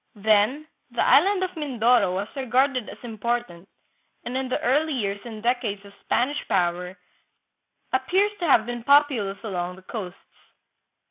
Then the island of Mindoro was regarded as important, and in the early years and decades of Spanish power appears to have been populous along the coasts.